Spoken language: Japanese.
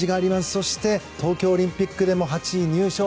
そして、東京オリンピックでも８位入賞。